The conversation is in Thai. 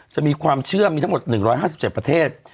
จะมีความเชื่อมีทั้งหมด๑๕๗ประเทศ